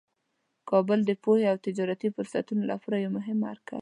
کابل د پوهې او تجارتي فرصتونو لپاره یو مهم مرکز دی.